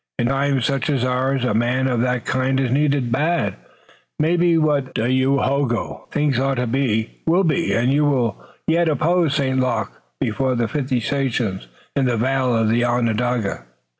In times such as ours a man of that kind is needed bad. Maybe what Dayohogo thinks ought to be, will be, and you will yet oppose St. Luc before the fifty sachems in the vale of Onondaga."